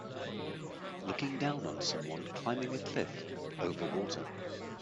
Looking down on someone climbing a cliff over water.